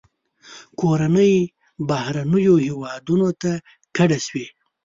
کورنۍ بهرنیو هیوادونو ته کډه شوې.